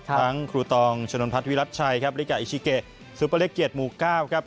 ทั้งครูตองชนลพัฒน์วิรัติชัยลิกะอิชิเกซุประเล็กเกียร์หมู่๙ครับ